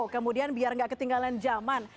kemudian biar nggak ketinggalan zaman